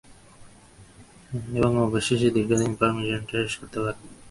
এবং অবশেষে, দীর্ঘদিন পর মিশনটা শেষ করতে পারবো।